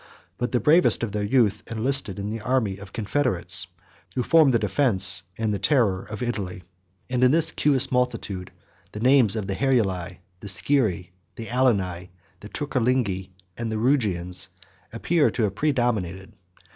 But the bravest of their youth enlisted in the army of confederates, who formed the defence and the terror of Italy; 117 and in this promiscuous multitude, the names of the Heruli, the Scyrri, the Alani, the Turcilingi, and the Rugians, appear to have predominated.